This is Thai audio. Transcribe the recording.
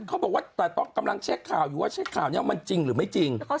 เขาบอกว่าแต่ต้องกำลังเช็คข่าวอยู่ว่าเช็คข่าวนี้มันจริงหรือไม่จริง